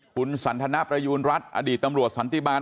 คุณสันทนประยูณรัฐอดีตตำรวจสันติบาล